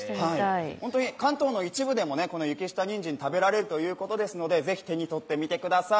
関東の一部でも雪下にんじん食べられるということですのでぜひ手に取ってみてみてください。